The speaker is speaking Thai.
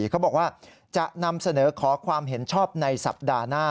เขาบอกว่าจะนำเสนอขอความเห็นชอบในสัปดาห์หน้า